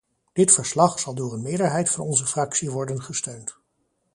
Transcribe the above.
Dit verslag zal door een meerderheid van onze fractie worden gesteund.